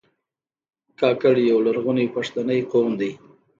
کاکړ یو لرغونی پښتنی قوم دی.